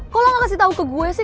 kok lo gak kasih tau ke gue sih